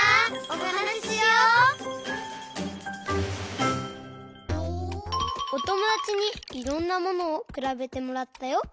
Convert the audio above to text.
おともだちにいろんなものをくらべてもらったよ！